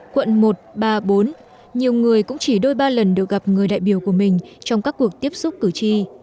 quận một ba bốn nhiều người cũng chỉ đôi ba lần được gặp người đại biểu của mình trong các cuộc tiếp xúc cử tri